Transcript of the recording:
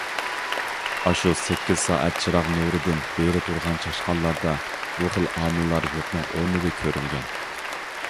ئاشۇ سەككىز سائەت چىراغ نۇرىدىن بېرى تۇرغان چاشقانلاردا بۇ خىل ئامىللار يوقنىڭ ئورنىدا كۆرۈلگەن.